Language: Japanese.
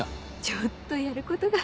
ちょっとやることが。